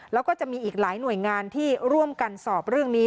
แล้วก็จะมีอีกหลายหน่วยงานที่ร่วมกันสอบเรื่องนี้